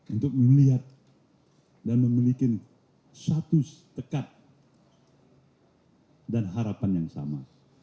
untuk melihat dan memiliki satu tekat dan harapan yang sama